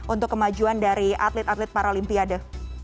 untuk kemajuan dari atlet atlet paralimpiade